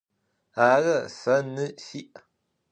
Arı, se nı si'.